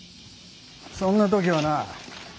そんな時はな